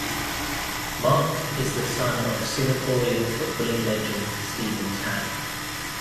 Marc is the son of Singaporean footballing legend Steven Tan.